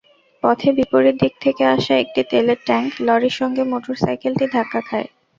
পথে বিপরীত দিক থেকে আসা একটি তেলের ট্যাংক-লরির সঙ্গে মোটরসাইকেলটি ধাক্কা খায়।